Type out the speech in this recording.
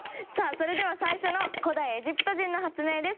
それでは、最初の古代エジプト人の発明です。